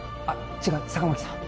違う坂巻さん。